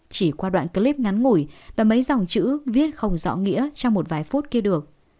chỉ qua đoạn clip ngắn ngủi và mấy dòng chữ viết không rõ nghĩa trong một vài phút kia được